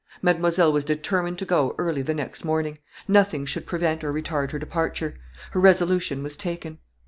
Mademoiselle was determined to go early the next morning; nothing should prevent or retard her departure; her resolution was taken.